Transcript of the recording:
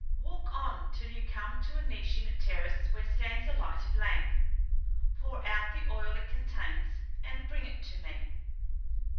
Walk on till you come to niche in a terrace where stands a lighted lamp. Pour out the oil it contains, and bring it me."